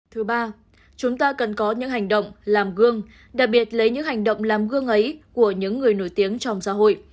thứ ba chúng ta cần có những hành động làm gương đặc biệt lấy những hành động làm gương ấy của những người nổi tiếng trong xã hội